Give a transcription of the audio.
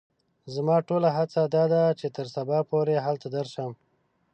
زما ټوله هڅه دا ده چې تر سبا پوري هلته درشم.